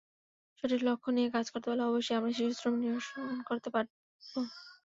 সঠিক লক্ষ্য নিয়ে কাজ করতে পারলে অবশ্যই আমরা শিশুশ্রম নিরসন করতে পারব।